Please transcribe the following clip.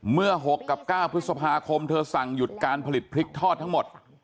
เมื่อ๖กับ๙พฤษภาคมเธอสั่งหยุดการผลิตพริกทอดทั้งหมด